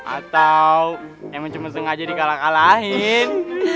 atau emang cuma sengaja dikalah kalahin